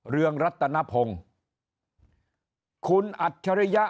เรืองรัตนพงศ์คุณอัจฉริยะ